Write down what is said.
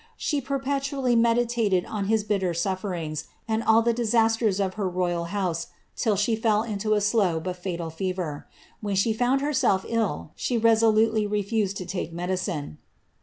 She ] toally meditated on his bitter suflerings, and all the diaastera of her hoose, till she fell into a slow but fatal fever. When she found li ill, she resolutely refused to take medicine."